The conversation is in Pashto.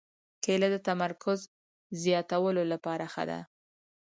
کېله د تمرکز زیاتولو لپاره ښه ده.